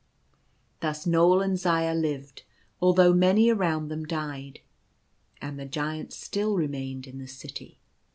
Thus Knoal and Zaya lived, although many around them died, and the Giant still remained in the city.